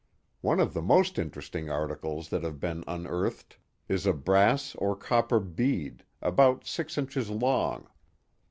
One of the most interesting articles that have been un earthed is a brass or copper bead, about six inches long.